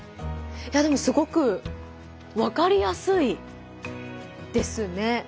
でもすごくわかりやすいですね。